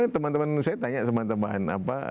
teman teman saya tanya teman teman